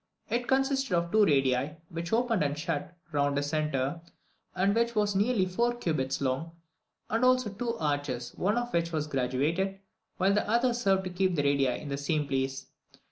It consisted of two radii, which opened and shut round a centre, and which were nearly four cubits long, and also of two arches, one of which was graduated, while the other served to keep the radii in the same plane.